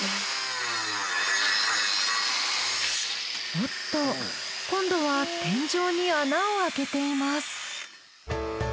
おっと今度は天井に穴を開けています。